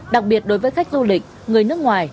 đặc biệt đối với khách du lịch người nước ngoài